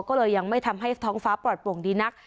ก็เลยยังไม่ทำให้ท้องฟ้าปลอดโปร่งดีนัก